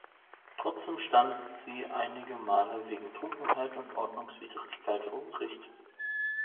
Trotzdem stand sie einige Male wegen Trunkenheit und Ordnungswidrigkeiten vor Gericht.